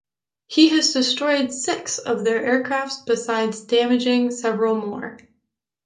He has destroyed six of their aircraft besides damaging several more.